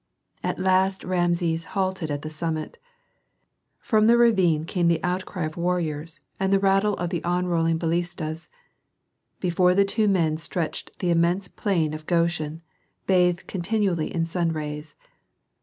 At last Rameses halted at the summit. From the ravine came the outcry of warriors and the rattle of the onrolling balistas; before the two men stretched the immense plain of Goshen, bathed continually in sun rays.